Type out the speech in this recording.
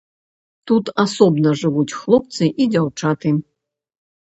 Тут асобна жывуць хлопцы і дзяўчаты.